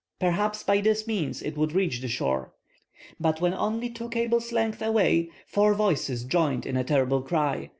Perhaps by this means it would reach the shore. But when only two cables' length away four voices joined in a terrible cry.